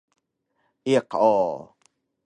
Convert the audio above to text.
Iq o!